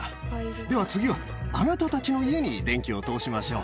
では次は、あなたたちの家に電気を通しましょう。